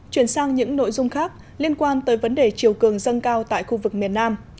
chuyển sang những nội dung khác liên quan tới vấn đề chiều cường dâng cao tại khu vực miền nam